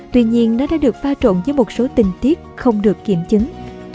tuy nhiên nó đã được pha trộn với một số tình tiết không được kiểm chứng